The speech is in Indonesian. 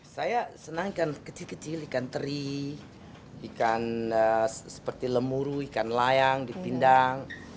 saya senangkan kecil kecil ikan teri ikan seperti lemuru ikan layang dipindang